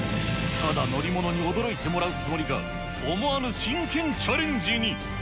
ただ乗り物に驚いてもらうつもりが、思わぬ真剣チャレンジに。